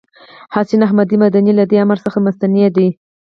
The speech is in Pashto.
حسين احمد مدني له دې امر څخه مستثنی دی.